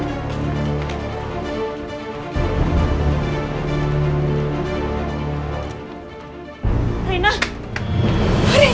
ya ampun ya ampun